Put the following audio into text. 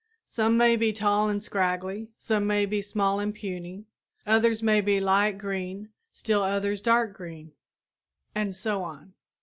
Some may be tall and scraggly, some may be small and puny; others may be light green, still others dark green; and so on.